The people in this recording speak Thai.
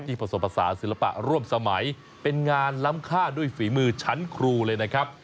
ผสมภาษาศิลปะร่วมสมัยเป็นงานล้ำค่าด้วยฝีมือชั้นครูเลยนะครับ